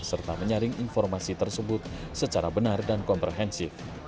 serta menyaring informasi tersebut secara benar dan komprehensif